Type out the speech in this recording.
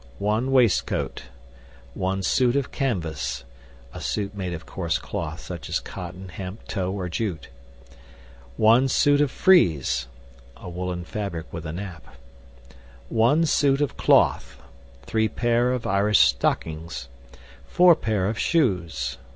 One waste coate. One suite of Canvase [a suit made of coarse cloth, such as cotton, hemp, tow, or jute]. One suite of Frize [a woolen fabric with a nap]. One suite of Cloth. Three paire of Irish stockins. Foure paire of shooes.